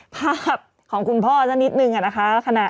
ภาพของคุณพ่อสักนิดนึงนะคะ